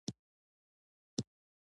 جانداد د ښې یوې خبرې ارزښت پېژني.